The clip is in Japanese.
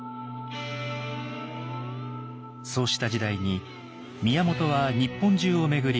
そうした時代に宮本は日本中を巡り